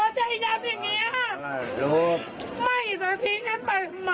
เรื่องนี้ดีมาก